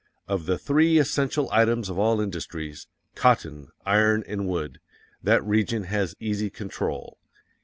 _ Of the three essential items of all industries cotton, iron and wood that region has easy control.